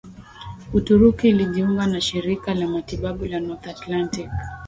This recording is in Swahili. Uturuki ilijiunga na Shirika la Matibabu la North Atlantic